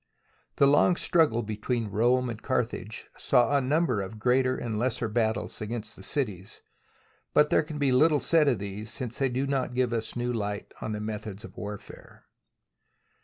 The long struggle between Rome and Carthage saw a number of greater and lesser battles against cities, but there can be little said of these since they do not give us new light on methods of warfare.